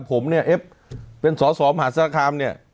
ผมเนี่ยเอฟเป็นสอสอมหาศาลคามเนี่ย